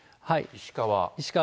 石川。